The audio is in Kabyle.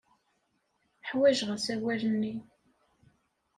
Ḥwajeɣ asawal-nni.